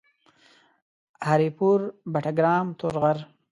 هري پور ، بټګرام ، تورغر